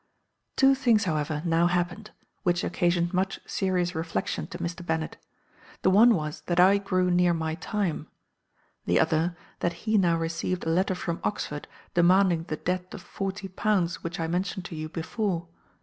Two things, however, now happened, which occasioned much serious reflexion to Mr. Bennet; the one was, that I grew near my time; the other, that he now received a letter from Oxford, demanding the debt of forty pounds which I mentioned to you before.